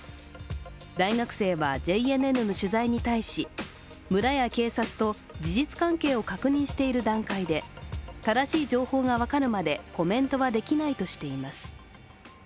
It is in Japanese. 大学生はＪＮＮの取材に対し村や警察と事実関係を確認している段階で正しい情報が分かるまでコメントはできないとしています。